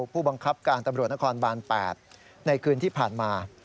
ผู้บังคับการตำรวจนครบาน๘ในคืนที่ผ่านมา